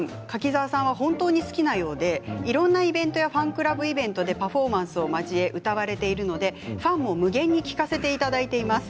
柿澤さんは本当に好きなようでいろんなイベントやファンクラブイベントでパフォーマンスを交え歌われているのでファンも無限に聴かせていただいています。